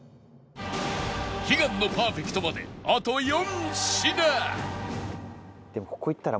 悲願のパーフェクトまであと４品